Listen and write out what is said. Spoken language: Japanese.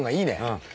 うん。